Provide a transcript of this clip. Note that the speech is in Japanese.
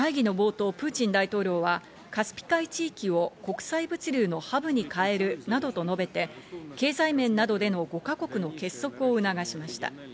会議の冒頭、プーチン大統領はカスピ海地域を国際物流のハブに変えるなどと述べて、経済面などでの５か国の結束を促しました。